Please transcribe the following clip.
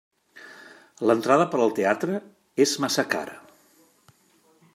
L'entrada per al teatre és massa cara.